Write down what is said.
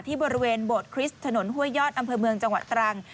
บริเวณโบสถคริสต์ถนนห้วยยอดอำเภอเมืองจังหวัดตรัง